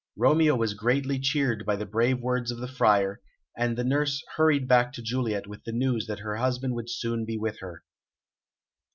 Romeo was greatly cheered by the brave words of the Friar, and the nurse hurried back to Juliet with the news that her husband would soon be with her.